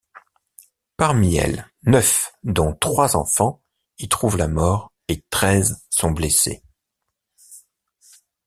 Parmi elles, neuf, dont trois enfants, y trouvent la mort et treize sont blessées.